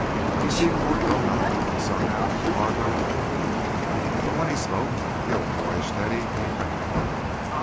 He seemed more grown up, and, somehow, farther away. But, when he spoke, the old, boyish Teddy came back again.